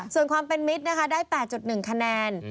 ส่วนความเป็นมิตรนะคะได้๘๑คะแนน